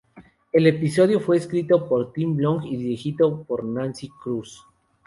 El episodio fue escrito por Tim Long y dirigido por Nancy Kruse.